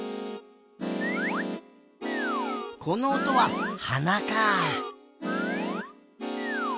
このおとははなか。